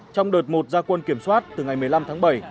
trong đợt một gia quân kiểm soát từ ngày một mươi năm tháng bảy